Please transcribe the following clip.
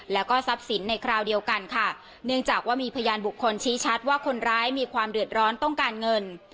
แล้วก็ทรัพย์สินในคราวเดียวกันค่ะเนื่องจากว่ามีพยานบุคคลชี้ชัดว่าคนร้ายมีความเดือดร้อนต้องการเงิน